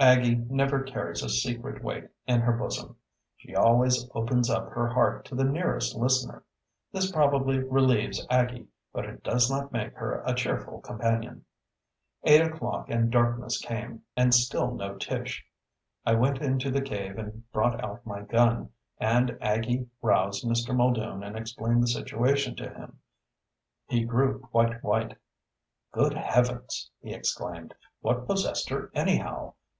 Aggie never carries a secret weight in her bosom. She always opens up her heart to the nearest listener. This probably relieves Aggie, but it does not make her a cheerful companion. Eight o'clock and darkness came, and still no Tish. I went into the cave and brought out my gun, and Aggie roused Mr. Muldoon and explained the situation to him. He grew quite white. "Good heavens!" he exclaimed. "What possessed her anyhow?